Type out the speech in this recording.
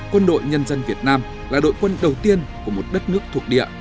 quân đội nhân dân việt nam là đội quân đầu tiên của một đất nước thuộc địa